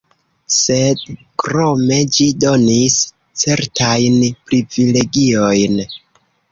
Sed krome ĝi donis certajn privilegiojn.